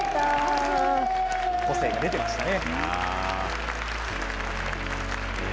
個性が出てましたね。